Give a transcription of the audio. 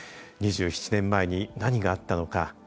２７年前に何があったのか。